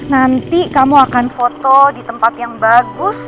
nanti kamu akan foto di tempat yang bagus